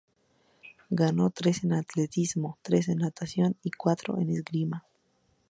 Ganó tres en atletismo, tres en natación y cuatro en esgrima.